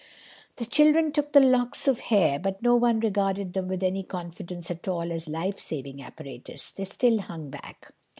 The children took the locks of hair, but no one regarded them with any confidence at all as lifesaving apparatus. They still hung back.